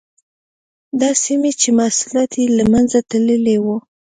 دا سیمې چې محصولات یې له منځه تللي وو.